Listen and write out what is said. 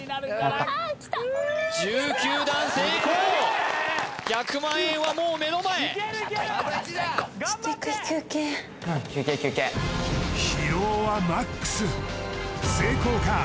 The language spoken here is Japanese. １９段成功１００万円はもう目の前うん休憩休憩成功か